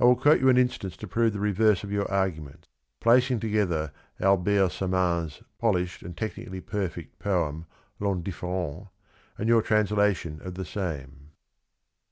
I will quote an instance to prove the reverse of your argument, — placing together Albert Samain's polished and technically perfect poem, " L'Indifferent," and your translation of the same.